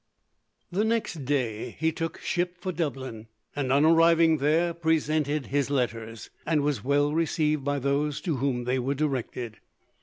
The next day, he took ship for Dublin, and on arriving there presented his letters, and was well received by those to whom they were directed.